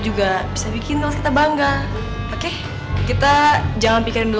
udah mau tani tuh